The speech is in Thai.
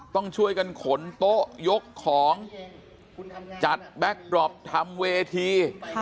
ต้องช่วยกันขนโต๊ะยกของจัดแบ็คดรอปทำเวที